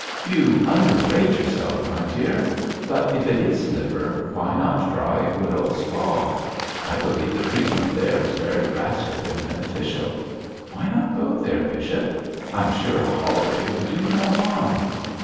'You under rate yourself, my dear. But if it is liver, why not try Woodhall Spa? I believe the treatment there is very drastic and beneficial. Why not go there, bishop? I'm sure a holiday would do you no harm.'